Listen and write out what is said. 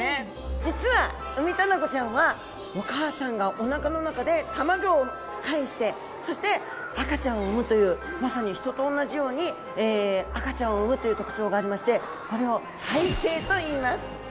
実はウミタナゴちゃんはお母さんがお腹の中で卵をかえしてそして赤ちゃんを産むというまさに人とおんなじように赤ちゃんを産むという特徴がありましてこれを胎生といいます。